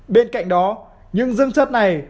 bên cạnh đó những dương chất này